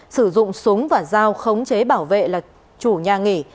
sử dụng súng và dao khống chế bảo vệ là chủ nhà nghỉ